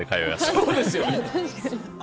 そうですよね。